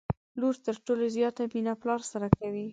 لور تر ټولو زياته مينه پلار سره کوي